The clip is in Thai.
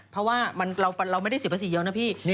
เพราะว่าเราไม่ได้เสียภาษีเยอะนะพี่